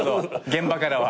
現場からは。